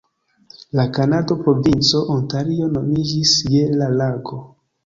La kanada provinco, Ontario, nomiĝis je la lago.